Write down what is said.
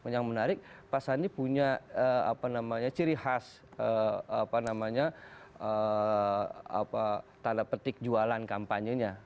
yang menarik pak sandi punya ciri khas tanda petik jualan kampanyenya